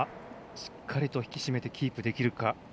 しっかりと引き締めてキープできるか。